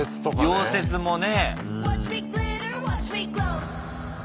溶接もね。